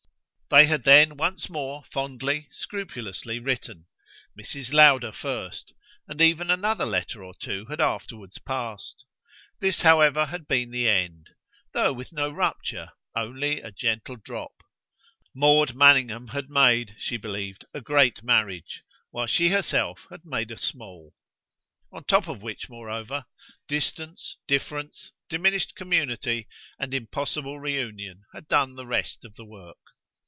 They had then once more fondly, scrupulously written Mrs. Lowder first; and even another letter or two had afterwards passed. This, however, had been the end though with no rupture, only a gentle drop: Maud Manningham had made, she believed, a great marriage, while she herself had made a small; on top of which, moreover, distance, difference, diminished community and impossible reunion had done the rest of the work.